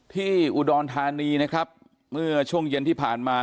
ที่อุดรธานีนะครับเมื่อช่วงเย็นที่ผ่านมา